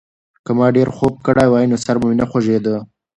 که ما ډېر خوب کړی وای، نو سر به مې نه خوږېده.